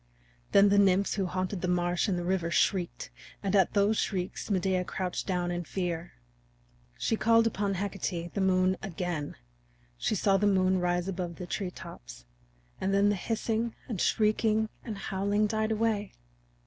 Then the nymphs who haunted the marsh and the river shrieked, and at those shrieks Medea crouched down in fear. She called upon Hecate, the Moon, again. She saw the moon rise above the treetops, and then the hissing and shrieking and howling died away.